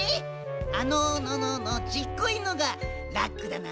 あののののちっこいのがラックだな？